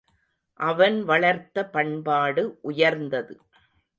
அவன் வளர்த்த பண்பாடு உயர்ந்தது.